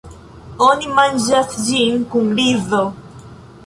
Oni manĝas ĝin kun rizo.